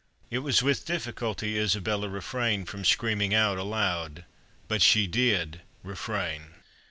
It was with difficulty Isabella refrained from screaming out aloud; but she DID refrain.